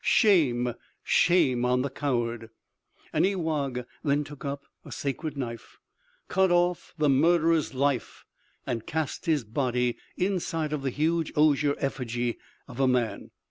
Shame, shame on the coward!" An ewagh then took up a sacred knife, cut off the murderer's life and cast his body inside of the huge osier effigy of a man.